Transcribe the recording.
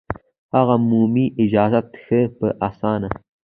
هغه مومي اجازت ښه په اسانه